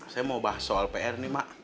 saya mau bahas soal pr nih mak